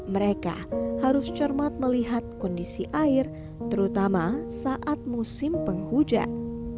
mereka harus cermat melihat kondisi air terutama saat musim penghujan